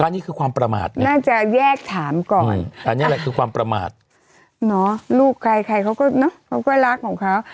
เนอะน่าจะแยกถามก่อนเนอะลูกใครเขาก็เนอะเขาก็รักของเขา